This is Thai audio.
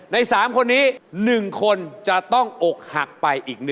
ใน๓คนนี้๑คนจะต้องอกหักไปอีก๑